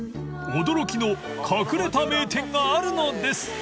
［驚きの隠れた名店があるのです！］